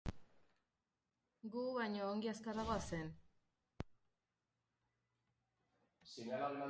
Gu baino ongi azkarragoa zen.